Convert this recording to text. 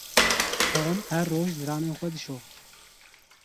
Tom her roj diranên xwe dişo.